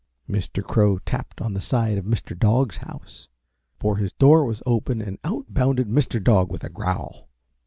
Mr. Crow tapped on the side of Mr. Dog's house, for his door was open and out bounded Mr. Dog with a growl.